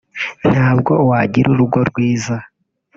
ntabwo wagira urugo rwiza